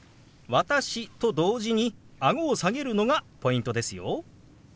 「私」と同時にあごを下げるのがポイントですよ。